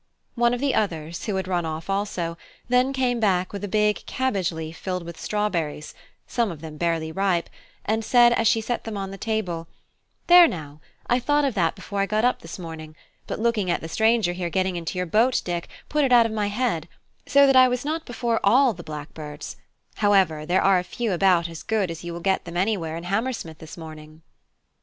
One of the others, who had run off also, then came back with a big cabbage leaf filled with strawberries, some of them barely ripe, and said as she set them on the table, "There, now; I thought of that before I got up this morning; but looking at the stranger here getting into your boat, Dick, put it out of my head; so that I was not before all the blackbirds: however, there are a few about as good as you will get them anywhere in Hammersmith this morning."